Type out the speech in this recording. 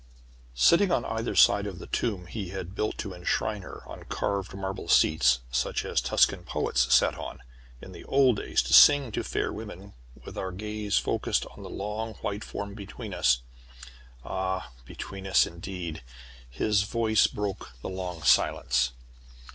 Sitting on either side of the tomb he had built to enshrine her, on carved marble seats such as Tuscan poets sat on, in the old days, to sing to fair women, with our gaze focussed on the long white form between us ah, between us indeed! his voice broke the long silence.